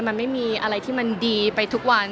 มันไม่มีอะไรที่มันดีไปทุกวัน